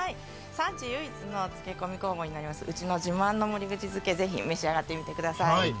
産地唯一の漬け込み工房になります、うちの自慢の守口漬けぜひ召し上がってみてください。